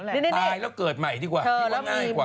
ตายแล้วเกิดใหม่ดีกว่าคิดว่าง่ายกว่า